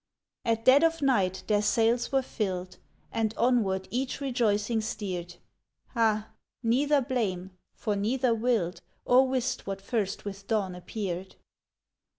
At dead of night their sails were filled, And onward each rejoicing steered; Ah! neither blame, for neither willed Or wist what first with dawn appeared.